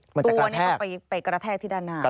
ตัวนี้เขาไปกระแทกที่ด้านหน้า